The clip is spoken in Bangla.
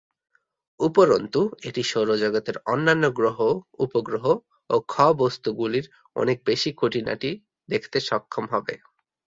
উপরন্তু, এটি সৌরজগতের অন্যান্য গ্রহ, উপগ্রহ ও খ-বস্তুগুলির অনেক বেশী খুঁটিনাটি দেখতে সক্ষম হবে।